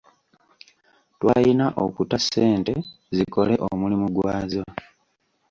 Twayina okuta ssente zikole omulimu gwazo.